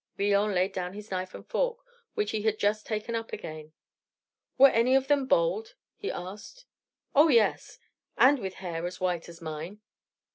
Villon laid down his knife and fork, which he had just taken up again. "Were any of them bald?" he asked. "Oh, yes, and with hair as white as mine."